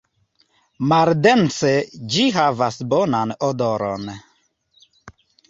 Maldense ĝi havas bonan odoron.